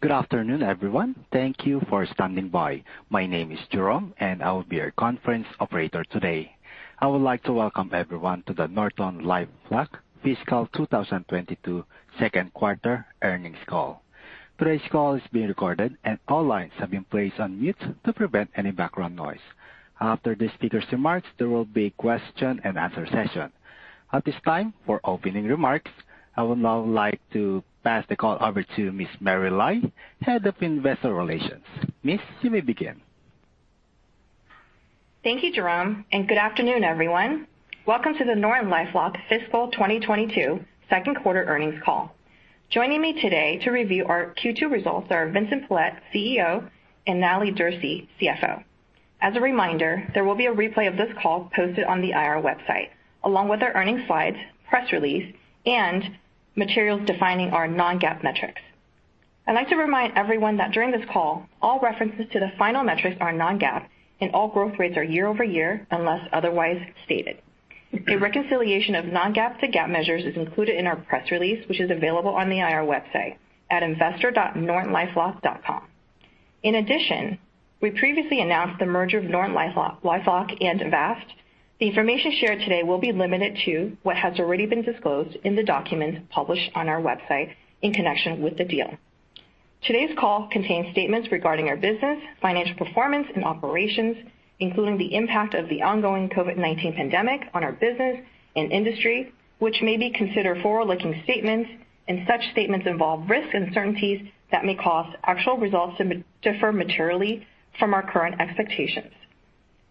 Good afternoon, everyone. Thank you for standing by. My name is Jerome, and I will be your conference operator today. I would like to welcome everyone to the NortonLifeLock Fiscal 2022 Q2 Earnings Call. Today's call is being recorded and all lines have been placed on mute to prevent any background noise. After the speaker's remarks, there will be question and answer session. At this time, for opening remarks, I would now like to pass the call over to Ms. Mary Lai, Head of Investor Relations. Miss, you may begin. Thank you, Jerome, and good afternoon, everyone. Welcome to the NortonLifeLock Fiscal 2022 Q2 Earnings call. Joining me today to review our Q2 results are Vincent Pilette, CEO, and Natalie Derse, CFO. As a reminder, there will be a replay of this call posted on the IR website, along with our earnings slides, press release, and materials defining our non-GAAP metrics. I'd like to remind everyone that during this call, all references to the financial metrics are non-GAAP, and all growth rates are year-over-year, unless otherwise stated. A reconciliation of non-GAAP to GAAP measures is included in our press release, which is available on the IR website at investor.nortonlifelock.com. In addition, we previously announced the merger of NortonLifeLock and Avast. The information shared today will be limited to what has already been disclosed in the document published on our website in connection with the deal. Today's call contains statements regarding our business, financial performance and operations, including the impact of the ongoing COVID-19 pandemic on our business and industry, which may be considered forward-looking statements. Such statements involve risks and uncertainties that may cause actual results to differ materially from our current expectations.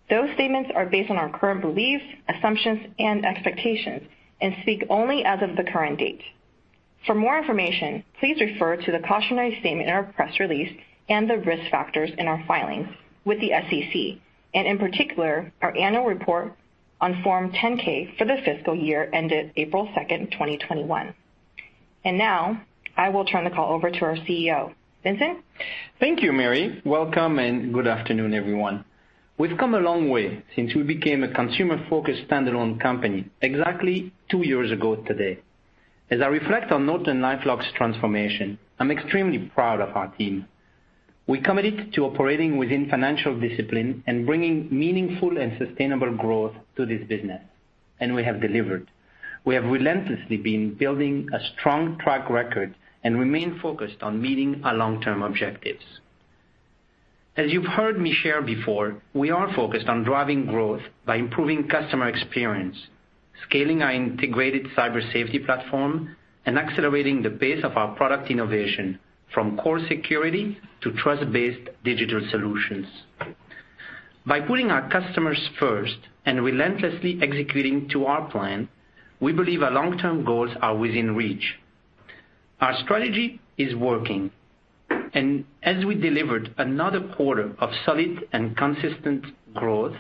Those statements are based on our current beliefs, assumptions, and expectations, and speak only as of the current date. For more information, please refer to the cautionary statement in our press release and the risk factors in our filings with the SEC, and in particular, our annual report on Form 10-K for the fiscal year ended April 2, 2021. Now, I will turn the call over to our CEO. Vincent? Thank you, Mary. Welcome and good afternoon, everyone. We've come a long way since we became a consumer-focused standalone company exactly two years ago today. As I reflect on NortonLifeLock's transformation, I'm extremely proud of our team. We committed to operating within financial discipline and bringing meaningful and sustainable growth to this business, and we have delivered. We have relentlessly been building a strong track record and remain focused on meeting our long-term objectives. As you've heard me share before, we are focused on driving growth by improving customer experience, scaling our integrated cyber safety platform, and accelerating the pace of our product innovation from core security to trust-based digital solutions. By putting our customers first and relentlessly executing to our plan, we believe our long-term goals are within reach. Our strategy is working, and as we delivered another quarter of solid and consistent growth,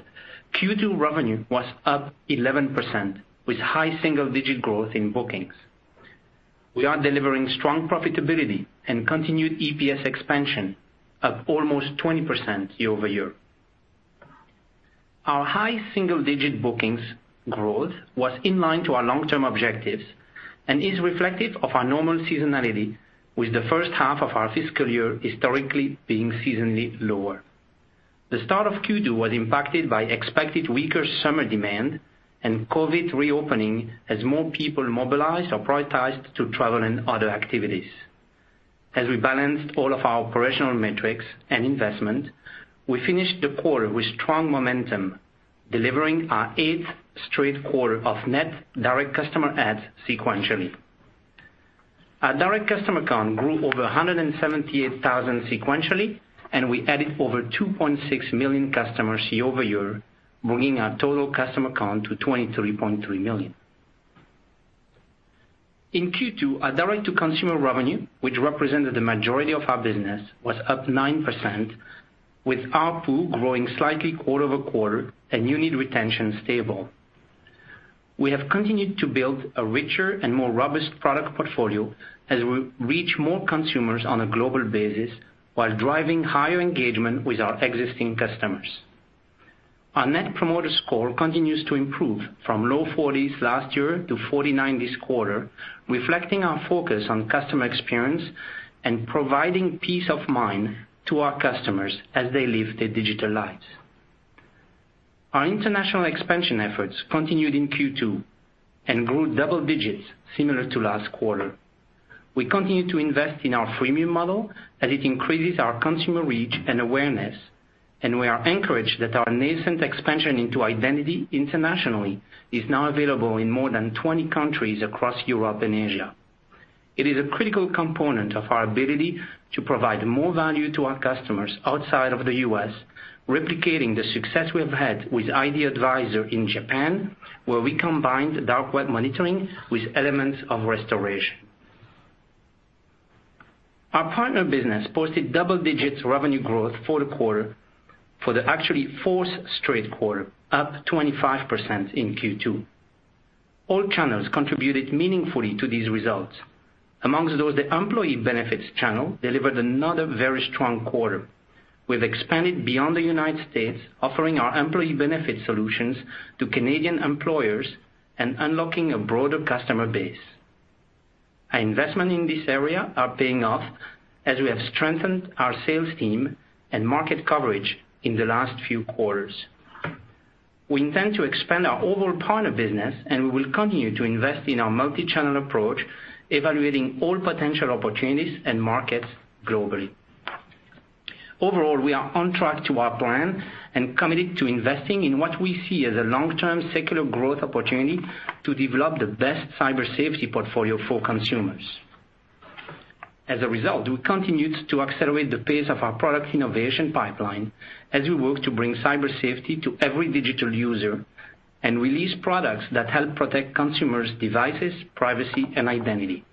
Q2 revenue was up 11%, with high single-digit growth in bookings. We are delivering strong profitability and continued EPS expansion of almost 20% year-over-year. Our high single-digit bookings growth was in line with our long-term objectives and is reflective of our normal seasonality with the H1 of our fiscal year historically being seasonally lower. The start of Q2 was impacted by expected weaker summer demand and COVID reopening as more people mobilized or prioritized to travel and other activities. As we balanced all of our operational metrics and investment, we finished the quarter with strong momentum, delivering our eighth straight quarter of net direct customer adds sequentially. Our direct customer count grew over 178,000 sequentially, and we added over 2.6 million customers year over year, bringing our total customer count to 23.3 million. In Q2, our direct-to-consumer revenue, which represented the majority of our business, was up 9%, with ARPU growing slightly quarter over quarter and unit retention stable. We have continued to build a richer and more robust product portfolio as we reach more consumers on a global basis while driving higher engagement with our existing customers. Our net promoter score continues to improve from low 40s last year to 49 this quarter, reflecting our focus on customer experience and providing peace of mind to our customers as they live their digital lives. Our international expansion efforts continued in Q2 and grew double digits similar to last quarter. We continue to invest in our freemium model as it increases our consumer reach and awareness, and we are encouraged that our nascent expansion into identity internationally is now available in more than 20 countries across Europe and Asia. It is a critical component of our ability to provide more value to our customers outside of the U.S., replicating the success we have had with Norton ID Advisor in Japan, where we combined dark web monitoring with elements of restoration. Our partner business posted double-digit revenue growth for the quarter, the actually fourth straight quarter, up 25% in Q2. All channels contributed meaningfully to these results. Among those, the employee benefits channel delivered another very strong quarter. We've expanded beyond the United States, offering our employee benefit solutions to Canadian employers and unlocking a broader customer base. Our investment in this area are paying off as we have strengthened our sales team and market coverage in the last few quarters. We intend to expand our overall partner business, and we will continue to invest in our multi-channel approach, evaluating all potential opportunities and markets globally. Overall, we are on track to our plan and committed to investing in what we see as a long-term secular growth opportunity to develop the best cyber safety portfolio for consumers. As a result, we continue to accelerate the pace of our product innovation pipeline as we work to bring cyber safety to every digital user and release products that help protect consumers' devices, privacy, and identity.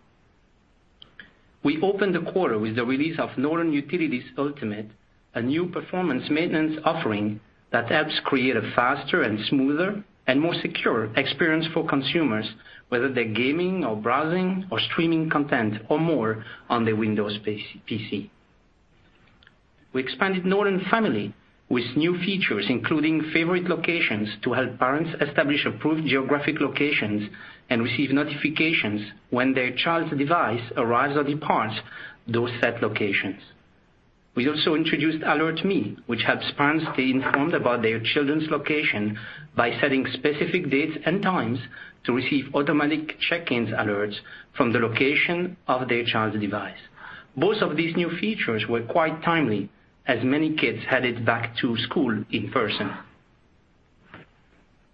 We opened the quarter with the release of Norton Utilities Ultimate, a new performance maintenance offering that helps create a faster and smoother and more secure experience for consumers, whether they're gaming or browsing or streaming content or more on their Windows PC. We expanded Norton Family with new features, including favorite locations, to help parents establish approved geographic locations and receive notifications when their child's device arrives or departs those set locations. We also introduced Alert Me, which helps parents stay informed about their children's location by setting specific dates and times to receive automatic check-ins alerts from the location of their child's device. Both of these new features were quite timely as many kids headed back to school in person.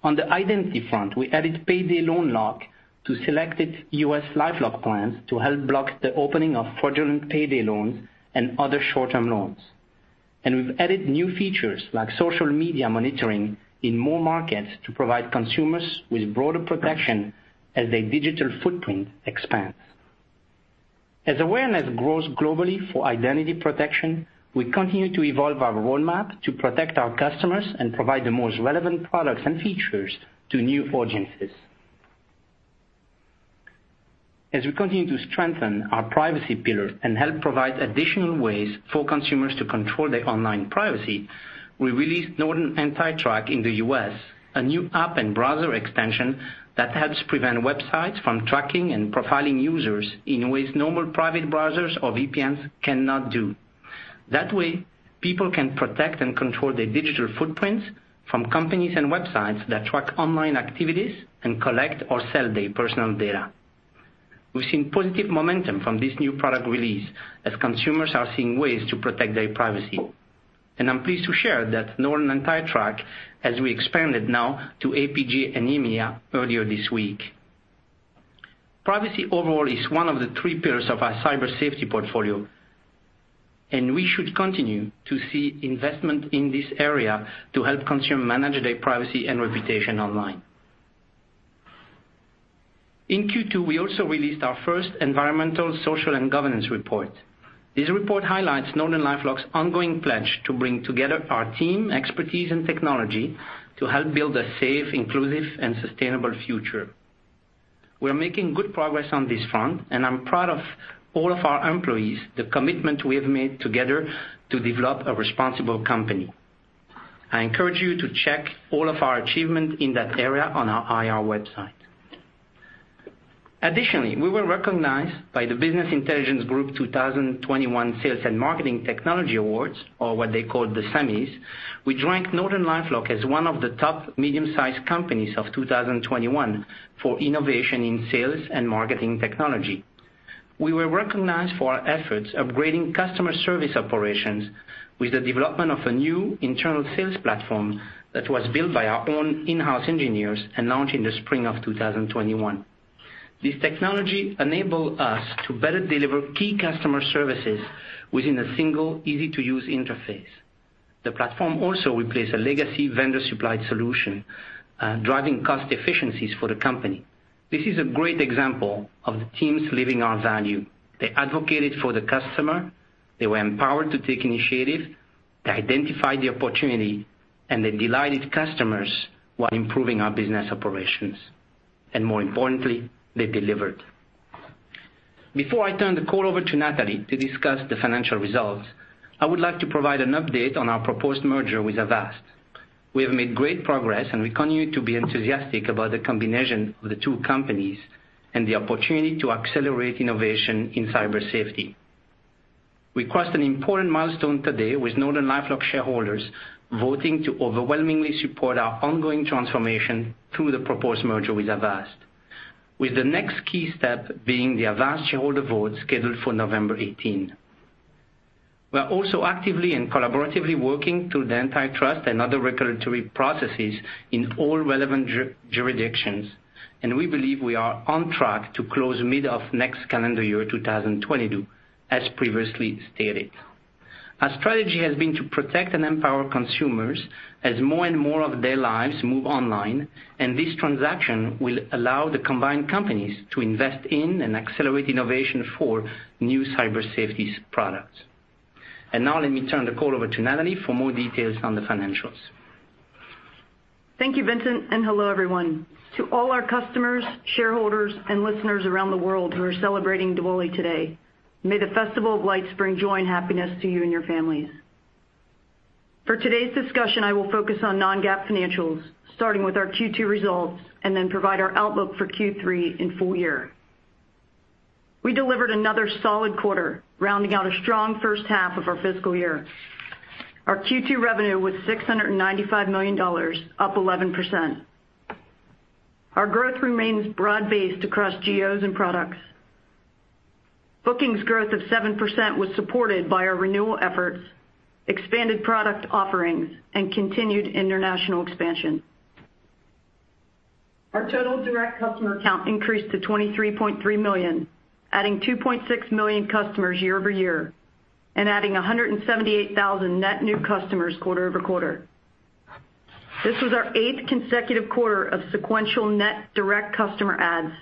On the identity front, we added Payday Loan Lock to selected U.S. LifeLock plans to help block the opening of fraudulent payday loans and other short-term loans. We've added new features like social media monitoring in more markets to provide consumers with broader protection as their digital footprint expands. As awareness grows globally for identity protection, we continue to evolve our roadmap to protect our customers and provide the most relevant products and features to new audiences. As we continue to strengthen our privacy pillar and help provide additional ways for consumers to control their online privacy, we released Norton AntiTrack in the U.S., a new app and browser extension that helps prevent websites from tracking and profiling users in ways normal private browsers or VPNs cannot do. That way, people can protect and control their digital footprints from companies and websites that track online activities and collect or sell their personal data. We've seen positive momentum from this new product release as consumers are seeing ways to protect their privacy, and I'm pleased to share that Norton AntiTrack, as we expanded now to APJ and EMEA earlier this week. Privacy overall is one of the three pillars of our cyber safety portfolio, and we should continue to see investment in this area to help consumers manage their privacy and reputation online. In Q2, we also released our first environmental, social, and governance report. This report highlights NortonLifeLock's ongoing pledge to bring together our team, expertise, and technology to help build a safe, inclusive, and sustainable future. We are making good progress on this front, and I'm proud of all of our employees, the commitment we have made together to develop a responsible company. I encourage you to check all of our achievements in that area on our IR website. Additionally, we were recognized by the Business Intelligence Group 2021 Sales and Marketing Technology Awards, or what they call the Sammys, which ranked NortonLifeLock as one of the top medium-sized companies of 2021 for innovation in sales and marketing technology. We were recognized for our efforts upgrading customer service operations with the development of a new internal sales platform that was built by our own in-house engineers and launched in the spring of 2021. This technology enable us to better deliver key customer services within a single easy-to-use interface. The platform also replaced a legacy vendor-supplied solution, driving cost efficiencies for the company. This is a great example of the teams living our value. They advocated for the customer, they were empowered to take initiative, they identified the opportunity, and they delighted customers while improving our business operations, and more importantly, they delivered. Before I turn the call over to Natalie to discuss the financial results, I would like to provide an update on our proposed merger with Avast. We have made great progress, and we continue to be enthusiastic about the combination of the two companies and the opportunity to accelerate innovation in cyber safety. We crossed an important milestone today with NortonLifeLock shareholders voting to overwhelmingly support our ongoing transformation through the proposed merger with Avast, with the next key step being the Avast shareholder vote scheduled for November 18. We are also actively and collaboratively working through the antitrust and other regulatory processes in all relevant jurisdictions, and we believe we are on track to close mid of next calendar year, 2022, as previously stated. Our strategy has been to protect and empower consumers as more and more of their lives move online, and this transaction will allow the combined companies to invest in and accelerate innovation for new cyber safety products. Now let me turn the call over to Natalie for more details on the financials. Thank you, Vincent, and hello, everyone. To all our customers, shareholders, and listeners around the world who are celebrating Diwali today, may the festival of lights bring joy and happiness to you and your families. For today's discussion, I will focus on non-GAAP financials, starting with our Q2 results, and then provide our outlook for Q3 and full year. We delivered another solid quarter, rounding out a strong H1 of our fiscal year. Our Q2 revenue was $695 million, up 11%. Our growth remains broad-based across geos and products. Bookings growth of 7% was supported by our renewal efforts, expanded product offerings, and continued international expansion. Our total direct customer count increased to 23.3 million, adding 2.6 million customers year-over-year and adding 178,000 net new customers quarter-over-quarter. This was our 8th consecutive quarter of sequential net direct customer adds.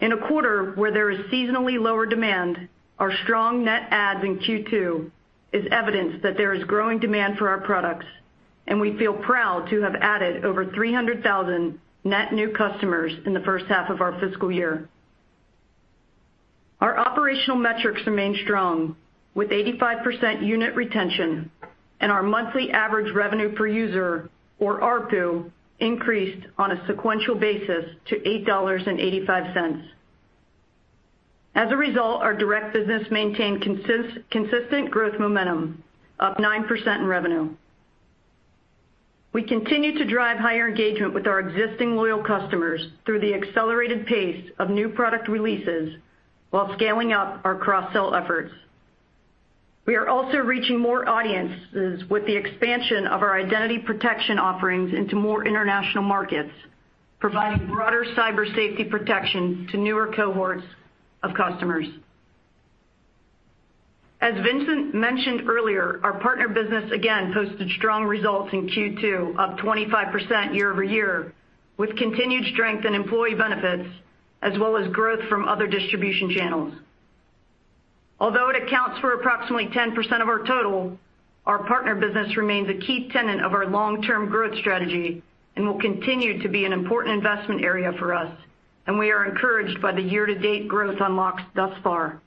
In a quarter where there is seasonally lower demand, our strong net adds in Q2 is evidence that there is growing demand for our products, and we feel proud to have added over 300,000 net new customers in the H1 of our fiscal year. Our operational metrics remain strong with 85% unit retention and our monthly average revenue per user, or ARPU, increased on a sequential basis to $8.85. As a result, our direct business maintained consistent growth momentum, up 9% in revenue. We continue to drive higher engagement with our existing loyal customers through the accelerated pace of new product releases while scaling up our cross-sell efforts. We are also reaching more audiences with the expansion of our identity protection offerings into more international markets, providing broader cyber safety protection to newer cohorts of customers. As Vincent mentioned earlier, our partner business again posted strong results in Q2, up 25% year-over-year, with continued strength in employee benefits as well as growth from other distribution channels. Although it accounts for approximately 10% of our total, our partner business remains a key tenet of our long-term growth strategy and will continue to be an important investment area for us, and we are encouraged by the year-to-date growth unlocks thus far.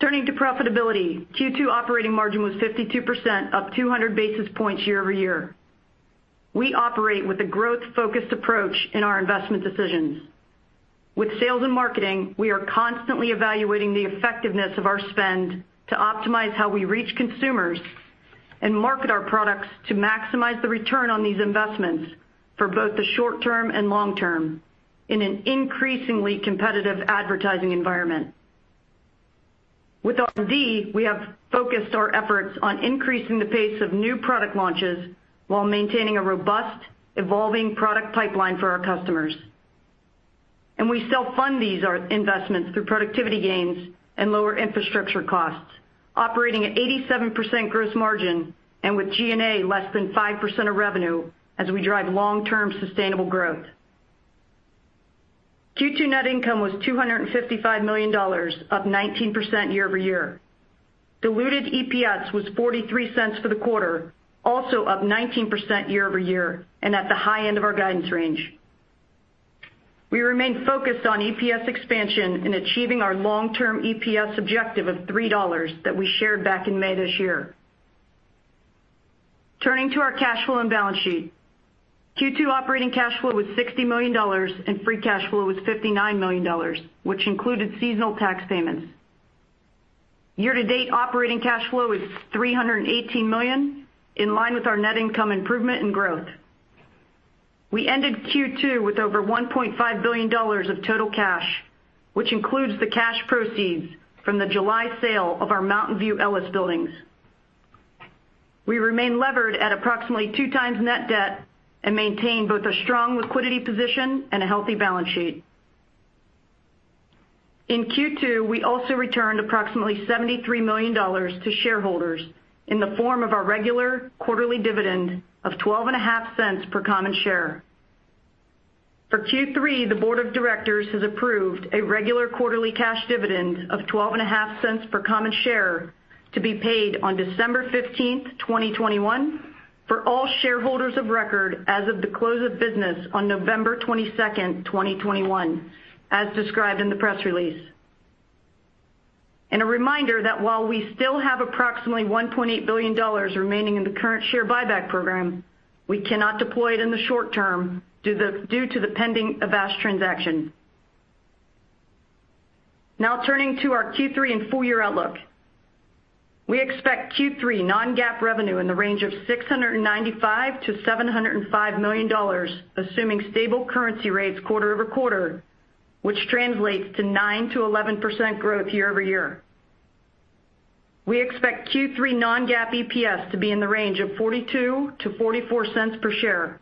Turning to profitability, Q2 operating margin was 52%, up 200 basis points year-over-year. We operate with a growth-focused approach in our investment decisions. With sales and marketing, we are constantly evaluating the effectiveness of our spend to optimize how we reach consumers and market our products to maximize the return on these investments for both the short term and long term in an increasingly competitive advertising environment. With R&D, we have focused our efforts on increasing the pace of new product launches while maintaining a robust, evolving product pipeline for our customers. We self-fund these investments through productivity gains and lower infrastructure costs, operating at 87% gross margin and with G&A less than 5% of revenue as we drive long-term sustainable growth. Q2 net income was $255 million, up 19% year-over-year. Diluted EPS was $0.43 for the quarter, also up 19% year-over-year and at the high end of our guidance range. We remain focused on EPS expansion in achieving our long-term EPS objective of $3 that we shared back in May this year. Turning to our cash flow and balance sheet. Q2 operating cash flow was $60 million and free cash flow was $59 million, which included seasonal tax payments. Year to date operating cash flow is $318 million, in line with our net income improvement and growth. We ended Q2 with over $1.5 billion of total cash, which includes the cash proceeds from the July sale of our Mountain View Ellis buildings. We remain levered at approximately 2x net debt and maintain both a strong liquidity position and a healthy balance sheet. In Q2, we also returned approximately $73 million to shareholders in the form of our regular quarterly dividend of $0.125 per common share. For Q3, the board of directors has approved a regular quarterly cash dividend of $0.125 per common share to be paid on December 15th, 2021, for all shareholders of record as of the close of business on November 22nd, 2021, as described in the press release. A reminder that while we still have approximately $1.8 billion remaining in the current share buyback program, we cannot deploy it in the short term due to the pending Avast transaction. Now turning to our Q3 and full year outlook. We expect Q3 non-GAAP revenue in the range of $695 million-$705 million, assuming stable currency rates quarter over quarter, which translates to 9%-11% growth year over year. We expect Q3 non-GAAP EPS to be in the range of $0.42-$0.44 per share.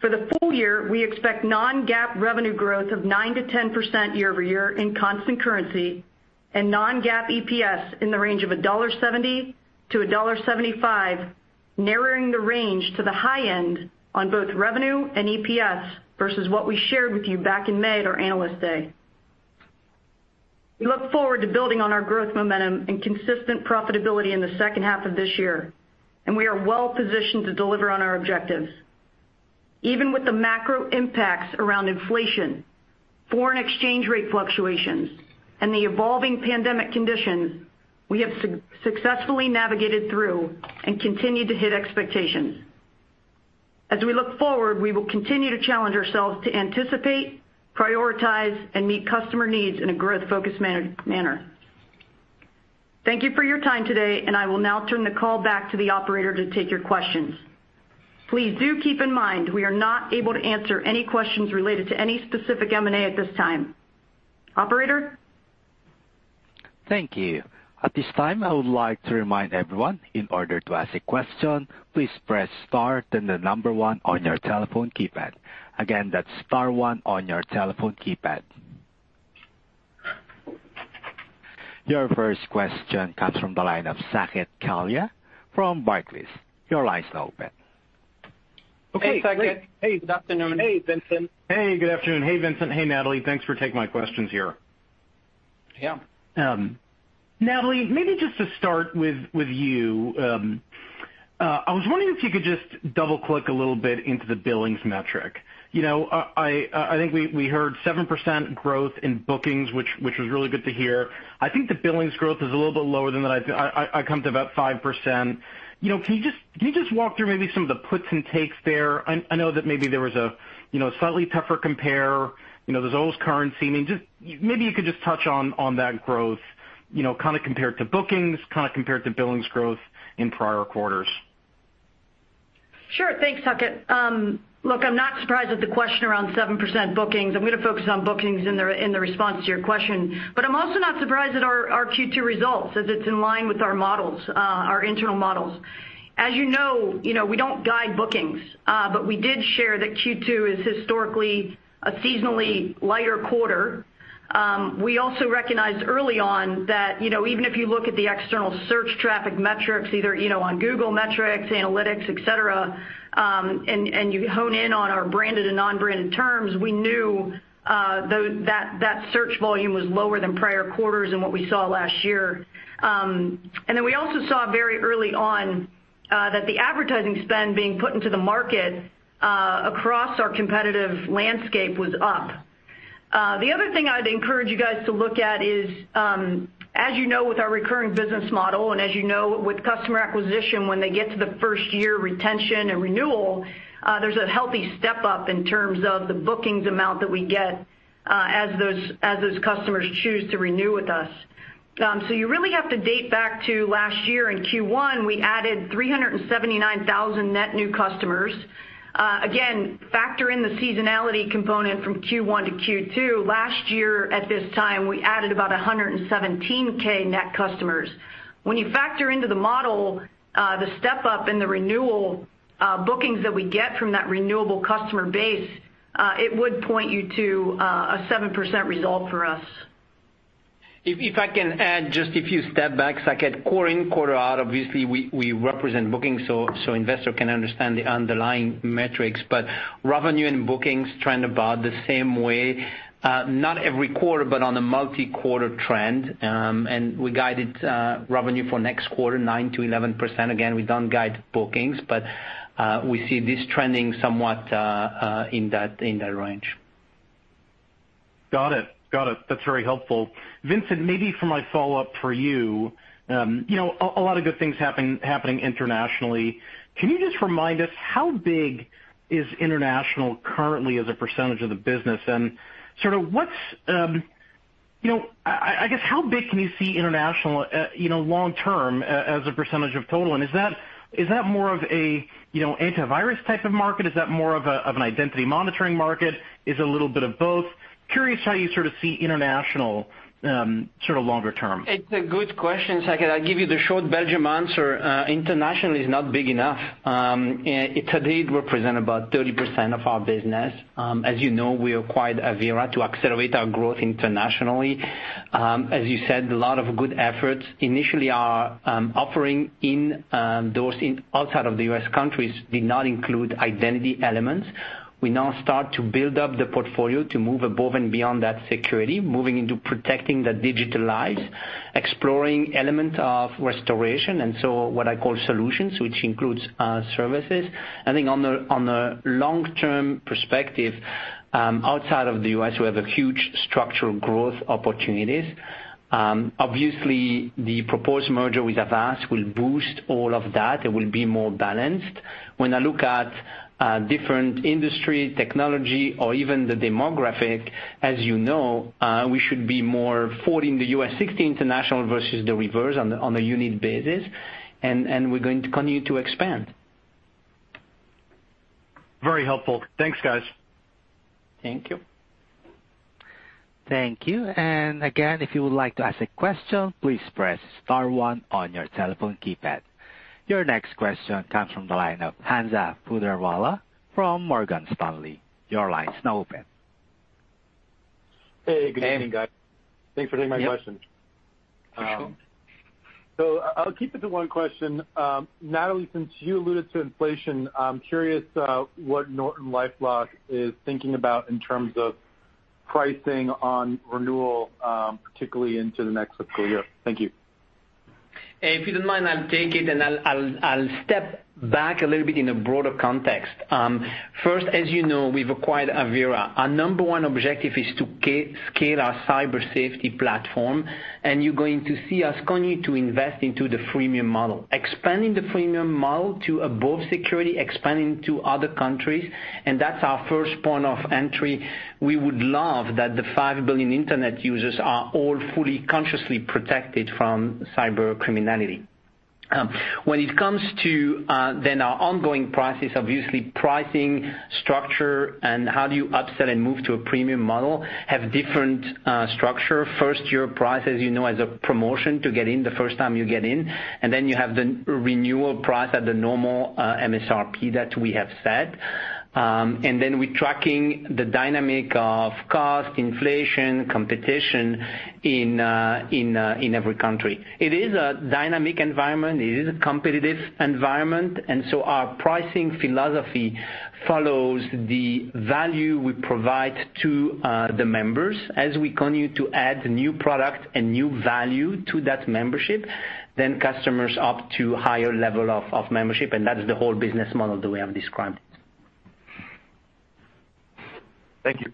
For the full year, we expect non-GAAP revenue growth of 9%-10% year-over-year in constant currency and non-GAAP EPS in the range of $1.70-$1.75, narrowing the range to the high end on both revenue and EPS versus what we shared with you back in May at our Analyst Day. We look forward to building on our growth momentum and consistent profitability in the H2 of this year, and we are well positioned to deliver on our objectives. Even with the macro impacts around inflation, foreign exchange rate fluctuations, and the evolving pandemic conditions, we have successfully navigated through and continue to hit expectations. As we look forward, we will continue to challenge ourselves to anticipate, prioritize, and meet customer needs in a growth-focused manner. Thank you for your time today, and I will now turn the call back to the operator to take your questions. Please do keep in mind we are not able to answer any questions related to any specific M&A at this time. Operator? Thank you. At this time, I would like to remind everyone in order to ask a question, please press star then the number one on your telephone keypad. Again, that's star one on your telephone keypad. Your first question comes from the line of Saket Kalia from Barclays. Your line's now open. Okay, Saket. Hey. Good afternoon. Hey, Vincent. Hey, good afternoon. Hey, Vincent. Hey, Natalie. Thanks for taking my questions here. Yeah. Natalie, maybe just to start with you, I was wondering if you could just double-click a little bit into the billings metric. You know, I think we heard 7% growth in bookings, which was really good to hear. I think the billings growth is a little bit lower than that. I come to about 5%. You know, can you just walk through maybe some of the puts and takes there? I know that maybe there was a slightly tougher compare. You know, there's always currency. I mean, just maybe you could just touch on that growth, you know, kinda compared to bookings, kinda compared to billings growth in prior quarters. Sure. Thanks, Saket. Look, I'm not surprised at the question around 7% bookings. I'm gonna focus on bookings in the response to your question. I'm also not surprised at our Q2 results, as it's in line with our models, our internal models. As you know, you know, we don't guide bookings, but we did share that Q2 is historically a seasonally lighter quarter. We also recognized early on that, you know, even if you look at the external search traffic metrics, either, you know, on Google metrics, analytics, et cetera, and you hone in on our branded and non-branded terms, we knew that search volume was lower than prior quarters and what we saw last year. We also saw very early on that the advertising spend being put into the market across our competitive landscape was up. The other thing I'd encourage you guys to look at is, as you know, with our recurring business model and as you know with customer acquisition, when they get to the first year retention and renewal, there's a healthy step-up in terms of the bookings amount that we get, as those customers choose to renew with us. You really have to date back to last year in Q1, we added 379,000 net new customers. Again, factor in the seasonality component from Q1 to Q2. Last year at this time, we added about 117,000 net customers. When you factor into the model, the step-up in the renewal bookings that we get from that renewable customer base, it would point you to a 7% result for us. If I can add just a few steps back, I get quarter in, quarter out. Obviously, we represent bookings so investors can understand the underlying metrics. But revenue and bookings trend about the same way, not every quarter, but on a multi-quarter trend. We guided revenue for next quarter 9%-11%. Again, we don't guide bookings, but we see this trending somewhat in that range. Got it. That's very helpful. Vincent, maybe for my follow-up for you know, a lot of good things happening internationally. Can you just remind us how big is international currently as a percentage of the business? And sort of what's, you know, I guess how big can you see international, you know, long term as a percentage of total? Is that more of a, you know, antivirus type of market? Is that more of an identity monitoring market? Is it a little bit of both? I'm curious how you sort of see international, sort of longer term. It's a good question, Saket. I'll give you the short Belgium answer. International is not big enough. It today represents about 30% of our business. As you know, we acquired Avira to accelerate our growth internationally. As you said, a lot of good efforts. Initially, our offering in those outside of the U.S. countries did not include identity elements. We now start to build up the portfolio to move above and beyond that security, moving into protecting the digital lives, exploring element of restoration, and so what I call solutions, which includes services. I think on the long-term perspective, outside of the U.S., we have a huge structural growth opportunities. Obviously, the proposed merger with Avast will boost all of that. It will be more balanced. When I look at different industry, technology or even the demographic, as you know, we should be more 40% in the U.S., 60% international versus the reverse on a unit basis, and we're going to continue to expand. Very helpful. Thanks, guys. Thank you. Thank you. Again, if you would like to ask a question, please press star one on your telephone keypad. Your next question comes from the line of Hamza Fodderwala from Morgan Stanley. Your line is now open. Hey, good evening, guys. Thanks for taking my question. Yeah. I'll keep it to one question. Natalie, since you alluded to inflation, I'm curious, what NortonLifeLock is thinking about in terms of pricing on renewal, particularly into the next fiscal year. Thank you. If you don't mind, I'll take it, and I'll step back a little bit in a broader context. First, as you know, we've acquired Avira. Our number one objective is to scale our cyber safety platform, and you're going to see us continue to invest into the freemium model. Expanding the freemium model to above security, expanding to other countries, and that's our first point of entry. We would love that the 5 billion internet users are all fully, consciously protected from cybercriminality. When it comes to then our ongoing prices, obviously, pricing structure and how do you upsell and move to a premium model have different structure. First-year prices, you know, as a promotion to get in the first time you get in, and then you have the renewal price at the normal MSRP that we have set. We're tracking the dynamic of cost, inflation, competition in every country. It is a dynamic environment. It is a competitive environment, and so our pricing philosophy follows the value we provide to the members. As we continue to add new product and new value to that membership, then customers opt to higher level of membership, and that is the whole business model that we have described. Thank you.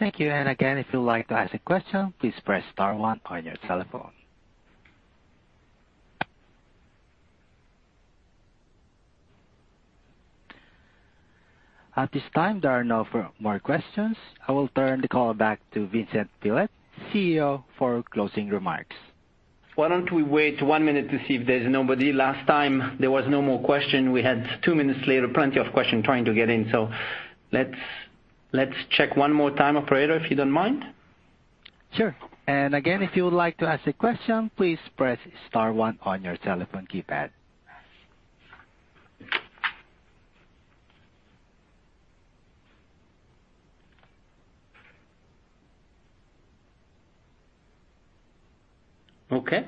Thank you. Again, if you'd like to ask a question, please press star one on your telephone. At this time, there are no further questions. I will turn the call back to Vincent Pilette, CEO, for closing remarks. Why don't we wait 1 minute to see if there's nobody? Last time there was no more question, we had 2 minutes later, plenty of questions trying to get in. Let's check one more time, operator, if you don't mind. Sure. And again, if you would like to ask a question, please press star one on your telephone keypad. Okay.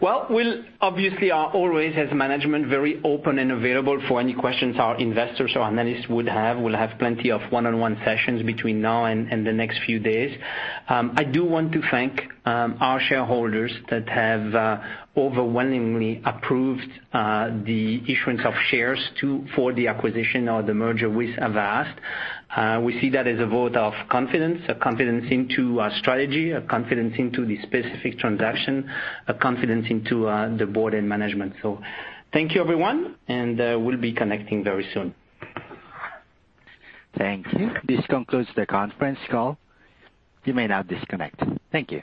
Well, we're obviously always, as management, very open and available for any questions our investors or analysts would have. We'll have plenty of one-on-one sessions between now and the next few days. I do want to thank our shareholders that have overwhelmingly approved the issuance of shares for the acquisition or the merger with Avast. We see that as a vote of confidence, a confidence in our strategy, a confidence in the specific transaction, a confidence in the board and management. Thank you, everyone, and we'll be connecting very soon. Thank you. This concludes the conference call. You may now disconnect. Thank you.